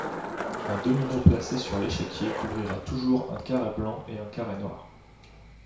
Un domino placé sur l'échiquier couvrira toujours un carré blanc et un carré noir.